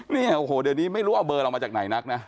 เนี่ยโอ้โหเดี๋ยวนี้ไม่รู้เอาเบอร์เรามาจากไหนนักนะ